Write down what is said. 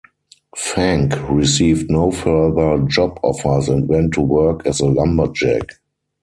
Fanck received no further job offers and went to work as a lumberjack.